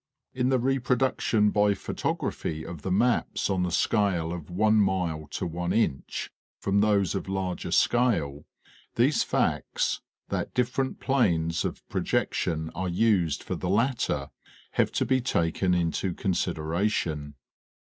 In the reproduction by photography of the maps on the scale of one mile to one inch from those of larger scale, these facts, that different planes of projection are used for the latter, have to be taken into consideration.